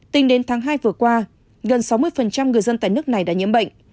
tính đến tháng hai vừa qua gần sáu mươi người dân tại nước này đã nhiễm bệnh